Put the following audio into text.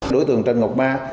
đối tượng trần ngọc ba